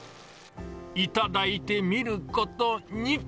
頂いてみることに。